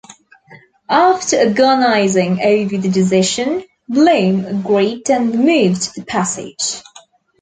After agonizing over the decision, Blume agreed and removed the passage.